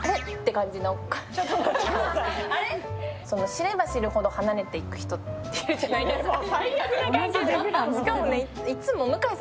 知れば知るほど離れていく人っているじゃないですか。